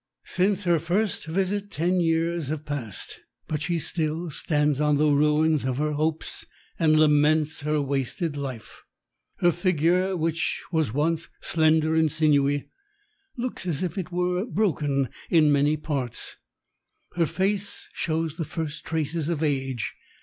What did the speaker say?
Since her first visit ten years have passed, but she still stands on the ruins of her hopes and laments her wasted life. Her figure, which was once slender and sinewy, looks as if it were broken in many parts; her face shows the first traces of age.